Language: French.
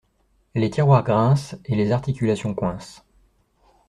Les tiroirs grincent et les articulations coincent.